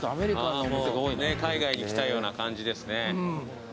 海外に来たような感じですね。